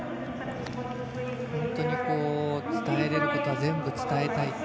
本当に伝えられることは全部伝えたい。